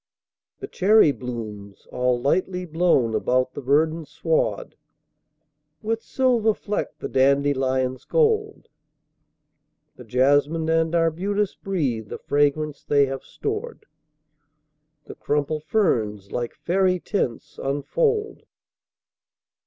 The cherry blooms, all lightly blown about the verdant sward, With silver fleck the dandelion's gold; The jasmine and arbutus breathe the fragrance they have stored; The crumpled ferns, like faery tents, unfold.